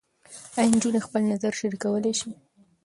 ایا نجونې خپل نظر شریکولی شي؟